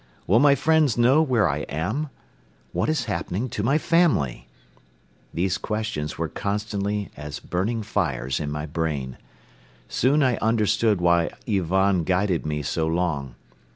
Will my friends know where I am? What is happening to my family? These questions were constantly as burning fires in my brain. Soon I understood why Ivan guided me so long.